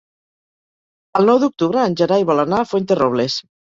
El nou d'octubre en Gerai vol anar a Fuenterrobles.